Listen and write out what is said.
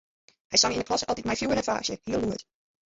Hy song yn 'e klasse altyd mei fjoer en faasje, hiel lûd.